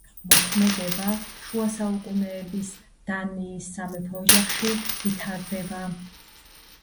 მოქმედება შუასაუკუნეების დანიის სამეფო ოჯახში ვითარდება.